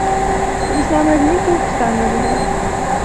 Dat is namelijk niet toegestaan door de wet.